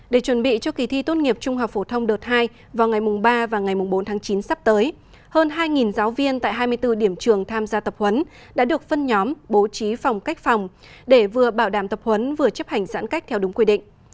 để chuẩn bị cho kỳ thi tốt nghiệp trung học phổ thông đợt hai vào ngày ba và ngày bốn tháng chín sắp tới hơn hai giáo viên tại hai mươi bốn điểm trường tham gia tập huấn đã được phân nhóm bố trí phòng cách phòng để vừa bảo đảm tập huấn vừa chấp hành giãn cách theo đúng quy định